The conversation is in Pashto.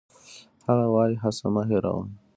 هغه وايي، هڅه مه هېروئ.